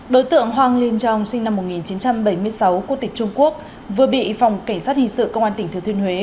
đối tượng hoàng liên trong sinh năm một nghìn chín trăm bảy mươi sáu quốc tịch trung quốc vừa bị phòng cảnh sát hình sự công an tỉnh thừa thiên huế